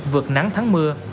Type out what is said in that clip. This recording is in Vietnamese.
vượt nắng thắng mưa